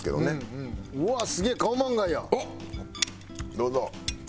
どうぞ。